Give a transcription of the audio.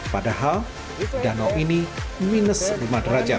padahal danau ini minus lima derajat